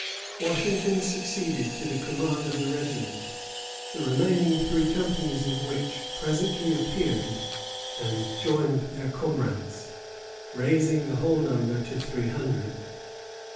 Washington succeeded to the command of the regiment, the remaining three companies of which presently appeared and joined their comrades, raising the whole number to three hundred.